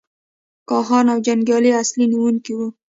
کاهنان او جنګیالي اصلي نیونکي وو.